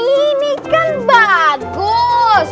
ini kan bagus